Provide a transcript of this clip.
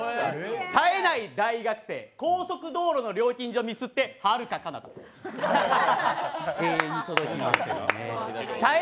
さえない大学生、高速道路の料金所をミスってはるかかなた、永遠に届きません。